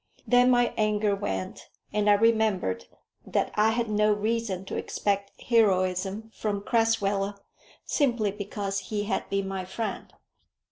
Then my anger went, and I remembered that I had no reason to expect heroism from Crasweller, simply because he had been my friend.